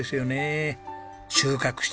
収穫した